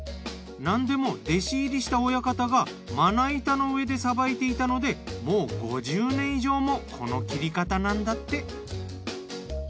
なんでも弟子入りした親方がまな板の上でさばいていたのでもう５０年以上もこの切り方なんだって。